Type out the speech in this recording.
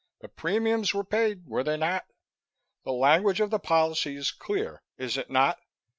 The premiums were paid, were they not? The language of the policy is clear, is it not?